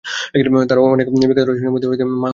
তার অনেক বিখ্যাত রচনার মধ্যে 'মা' একটি কালজয়ী উপন্যাস।